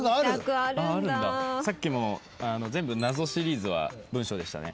さっきも全部謎シリーズは文章でしたね。